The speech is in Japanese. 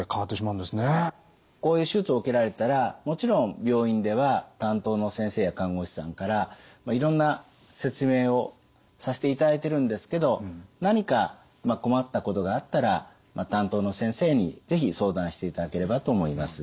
こういう手術を受けられたらもちろん病院では担当の先生や看護師さんからいろんな説明をさせていただいてるんですけど何か困ったことがあったら担当の先生に是非相談していただければと思います。